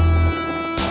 masih lu nunggu